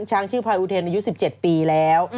ช้างชื่อพายอุเทนอายุ๑๗ปีแล้ว